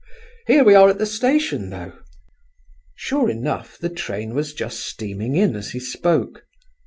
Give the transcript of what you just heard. here we are at the station, though." Sure enough, the train was just steaming in as he spoke.